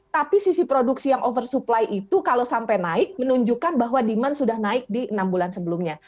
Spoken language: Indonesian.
tapi sisi produksi yang oversupply itu kalau sampai naik menunjukkan bahwa demand sudah naik di enam bulan sebelumnya